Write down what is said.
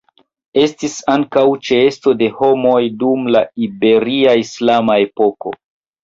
Estis ankaŭ ĉeesto de homoj dum la Iberia islama epoko.